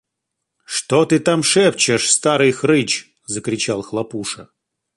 – Что ты там шепчешь, старый хрыч? – закричал Хлопуша.